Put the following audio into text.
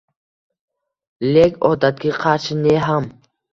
Lek odatga qarshi ne ham